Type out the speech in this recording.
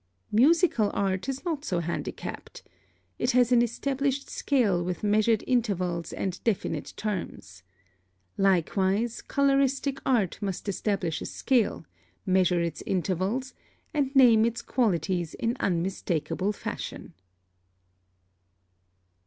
(7) Musical art is not so handicapped. It has an established scale with measured intervals and definite terms. Likewise, coloristic art must establish a scale, measure its intervals, and name its qualities in unmistakable fashion.